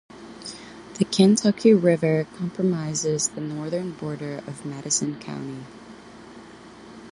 The Kentucky River comprises the northern border of Madison County.